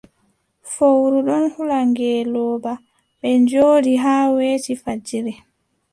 Fowru ɗon hula ngeelooba, ɓe njooɗi haa weeti fajiri.